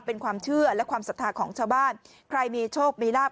เป็นความเชื่อและความศรัทธาของชาวบ้านใครมีโชคมีลาบ